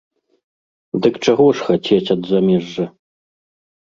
Дык чаго ж хацець ад замежжа?